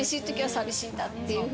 「寂しいんだ」って言うの？